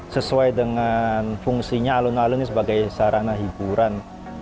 sesuai dengan fungsinya alun alun ini sebagai sarana hiburan